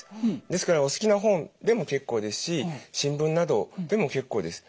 ですからお好きな本でも結構ですし新聞などでも結構です。